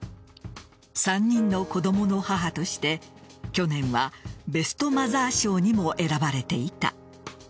３人の子供の母として、去年はベストマザー賞にも選ばれていた。